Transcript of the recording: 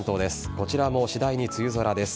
こちらも次第に梅雨空です。